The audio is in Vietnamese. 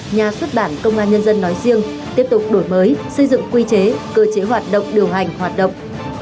nhà xuất bản công an nhân dân nói riêng tiếp tục đổi mới xây dựng quy chế cơ chế hoạt động điều hành hoạt động